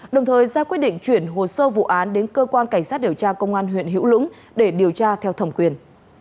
đồng thời ra quyết định chuyển hồ sơ vụ án đến cơ quan cảnh sát điều tra công an huyện hữu lũng để điều tra theo thẩm quyền